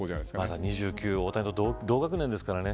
まだ２９、大谷と同学年ですからね。